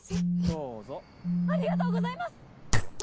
どうぞありがとうございます！